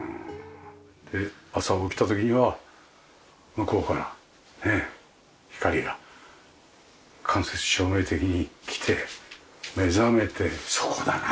で朝起きた時には向こうから光が間接照明的にきて目覚めてそこだな。